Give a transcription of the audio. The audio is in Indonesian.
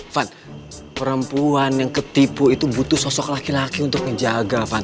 van perempuan yang ketipu itu butuh sosok laki laki untuk menjaga van